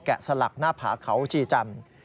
แกะสลักหน้าผาเขาชีจำ